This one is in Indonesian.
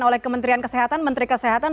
oleh kementerian kesehatan menteri kesehatan